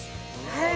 はい。